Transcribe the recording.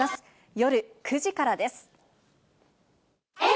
夜９時からです。